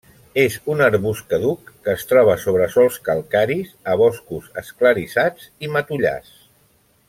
És un arbust caduc que es troba sobre sòls calcaris a boscos esclarissats i matollars.